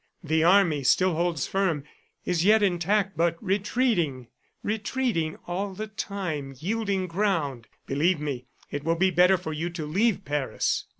The army still holds firm, is yet intact, but retreating ... retreating, all the time yielding ground. ... Believe me, it will be better for you to leave Paris.